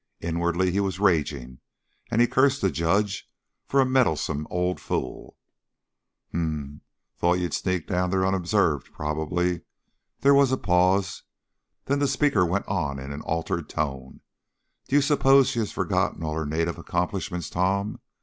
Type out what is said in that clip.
Inwardly he was raging, and he cursed the judge for a meddlesome old fool. "Hm m! Thought you'd sneak down there, unobserved, probably." There was a pause; then the speaker went on in an altered tone: "D'you suppose she has forgotten all her native accomplishments, Tom?